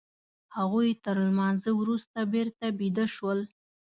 هغوی تر لمانځه وروسته بېرته بيده شول.